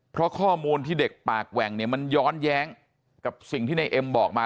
เพราะข้อมูลที่เด็กปากแหว่งเนี่ยมันย้อนแย้งกับสิ่งที่ในเอ็มบอกมา